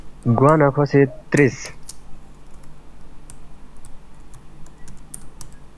گوانہ کھو سی ترِس،